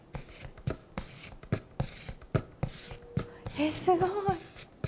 えっすごい。